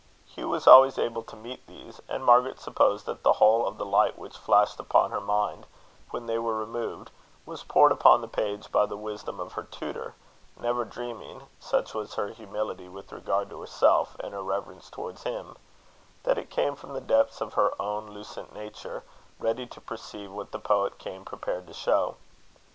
Hugh was always able to meet these, and Margaret supposed that the whole of the light which flashed upon her mind when they were removed, was poured upon the page by the wisdom of her tutor; never dreaming such was her humility with regard to herself, and her reverence towards him that it came from the depths of her own lucent nature, ready to perceive what the poet came prepared to show.